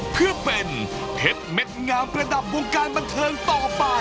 เพื่อเป็นเพชรเม็ดงามประดับวงการบันเทิงต่อไป